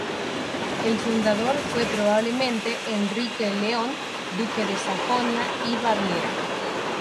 El fundador fue probablemente Enrique el León, duque de Sajonia y Baviera.